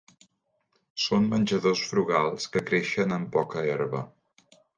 Són menjadors frugals, que creixen amb poca herba.